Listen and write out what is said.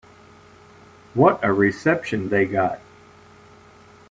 What a reception they got.